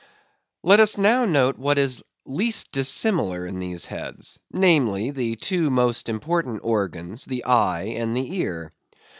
Let us now note what is least dissimilar in these heads—namely, the two most important organs, the eye and the ear.